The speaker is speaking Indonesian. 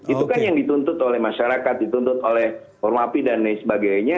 itu kan yang dituntut oleh masyarakat dituntut oleh formapi dan lain sebagainya